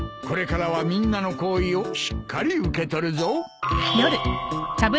これからはみんなの厚意をしっかり受け取るぞ。